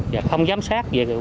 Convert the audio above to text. và không giám sát